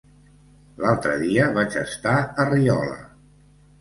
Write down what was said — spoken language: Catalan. L'altre dia vaig estar a Riola.